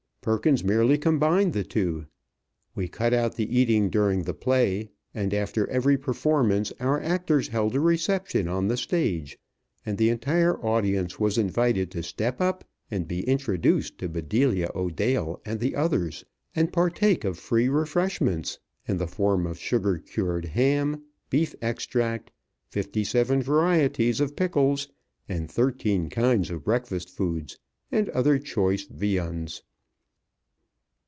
Perkins merely combined the two. We cut out the eating during the play, and after every performance our actors held a reception on the stage; and the entire audience was invited to step up and be introduced to Bedelia O'Dale and the others, and partake of free refreshments, in the form of sugar cured ham, beef extract, fifty seven varieties of pickles, and thirteen kinds of breakfast foods, and other choice viands.